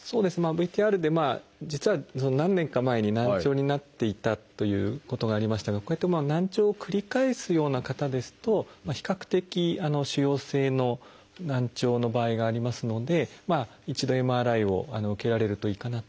ＶＴＲで実は何年か前に難聴になっていたということがありましたがこういった難聴を繰り返すような方ですと比較的腫瘍性の難聴の場合がありますので一度ＭＲＩを受けられるといいかなと。